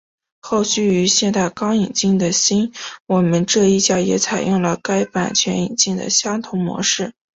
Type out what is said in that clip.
后续于现在刚引进的新我们这一家也采用了该版权引进的相同模式。